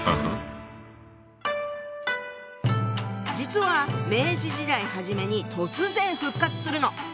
実は明治時代はじめに突然復活するの！